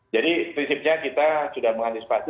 jadi prinsipnya kita sudah mengantisipasi